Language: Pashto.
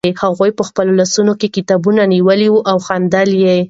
هغوی په خپلو لاسونو کې کتابونه نیولي وو او خندل یې.